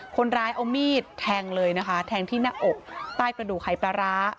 คนร้ายเอามีดแทงเลยนะคะแทงที่หน้าอกใต้กระดูกหายปลาร้า